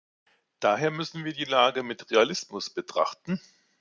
Daher müssen wir die Lage mit Realismus betrachten.